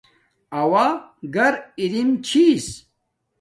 اوݳ گَر اِرِم چھݵس.